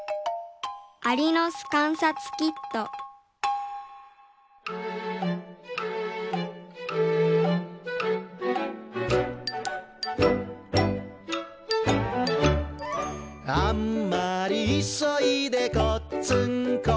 アリのすかんさつキット「あんまりいそいでこっつんこ」